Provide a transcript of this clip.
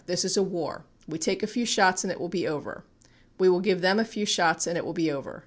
This is a war. We take a few shots and it will be over. We will give them a few shots and it will be over.